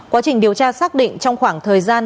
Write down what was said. quá trình điều tra xác định trong khoảng thời gian